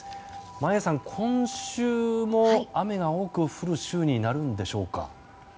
眞家さん、今週も雨が多く降る週になるんでしょうか。